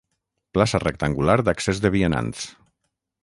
Plaça rectangular d'accés de vianants.